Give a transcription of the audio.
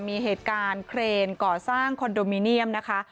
มีเหตุการณ์เครนก่อสร้างคอนโดมิเนียมนะคะ